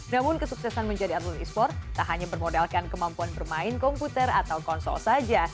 namun kesuksesan menjadi atlet e sport tak hanya bermodalkan kemampuan bermain komputer atau konsol saja